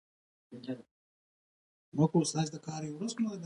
نوري آخذه رڼا محرک کوي.